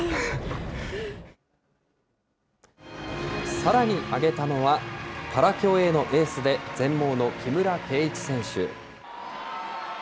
さらに挙げたのは、パラ競泳のエースで、全盲の木村敬一選手。